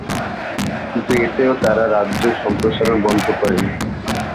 কিন্তু এতেও তারা রাজ্য সম্প্রসারণ বন্ধ করেননি।